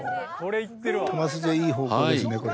球筋はいい方向ですねこれ。